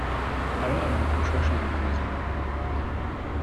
Alors elle le coucha chez une voisine.